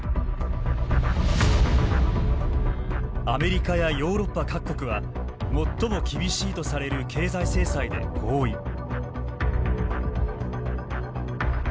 アメリカやヨーロッパ各国は最も厳しいとされる経済制裁で合意。